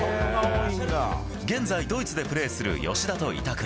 現在、ドイツでプレーする吉田と板倉。